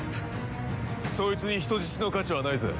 ソイツに人質の価値はないぜ。